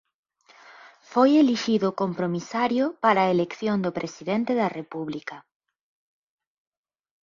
Foi elixido compromisario para a elección do presidente da República.